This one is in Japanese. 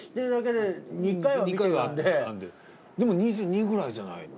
でも２２くらいじゃないの？